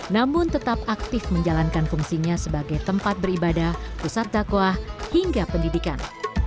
namun tetap aktif menjalankan fungsinya sebagai tempat beribadah pusat dakwah hingga pendidikan